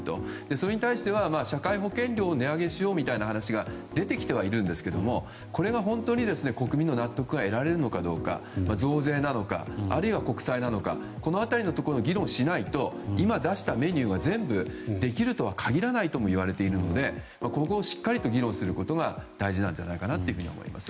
それに対して社会保険料を値上げしようという話が出てきてはいるんですがこれが本当に国民の納得を得られるのかどうか増税なのかあるいは国債なのか議論しないと今、出したメニューが全部できるとは限らないともいわれているのでここをしっかり議論することが大事なんじゃないかなと思います。